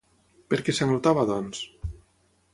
Per què sanglotava, doncs?